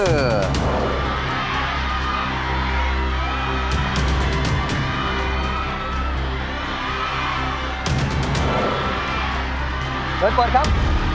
รอดเปิดละครับ